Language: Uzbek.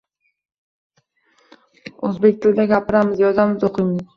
O‘zbek tilida gapiramiz, yozamiz, o‘qiymiz.